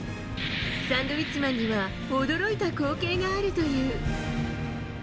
サンドウィッチマンには、驚いた光景があるという。